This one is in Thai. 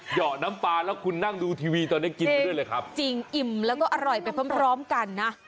เห่าน้ำปลาแล้วคุณนั่งดูทีวีตอนนี้กินไปด้วยเลยครับจริงอิ่มแล้วก็อร่อยไปพร้อมพร้อมกันนะ